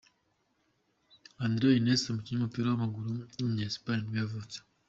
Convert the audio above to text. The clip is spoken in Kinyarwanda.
Andrés Iniesta, umukinnyi w’umupira w’amaguru w’umunya-Espagne nibwo yavutse.